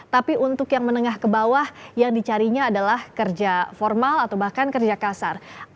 tapi untuk yang menengah ke bawah yang dicarinya adalah kerja formal atau bahkan kerja kasar